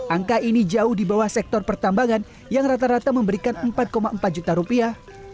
angka ini jauh di bawah sektor pertambangan yang rata rata memberikan empat empat juta rupiah